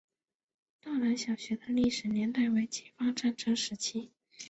道南小学的历史年代为解放战争时期。